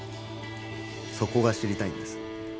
そこが知りたいんです